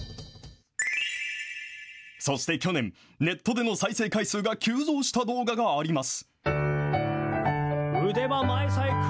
そして去年、ネットでの再生回数が急増した動画があります。